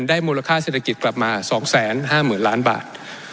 มูลค่าเศรษฐกิจกลับมา๒๕๐๐๐ล้านบาท